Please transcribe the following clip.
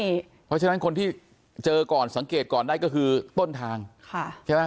เพราะฉะนั้นคนที่เจอก่อนสังเกตก่อนได้ก็คือต้นทางใช่ไหม